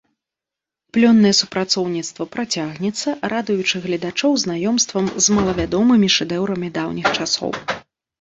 Плённае супрацоўніцтва працягнецца, радуючы гледачоў знаёмствам з малавядомымі шэдэўрамі даўніх часоў.